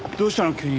急に。